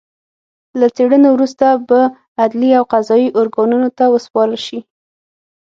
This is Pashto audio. له څېړنو وروسته به عدلي او قضايي ارګانونو ته وسپارل شي